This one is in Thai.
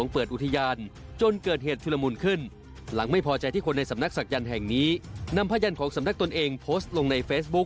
โปรดติดตามตอนต่อไป